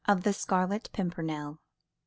THE SCARLET PIMPERNEL XX.